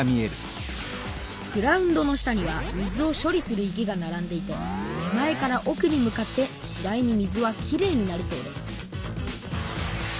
グラウンドの下には水を処理する池がならんでいて手前からおくに向かってしだいに水はきれいになるそうです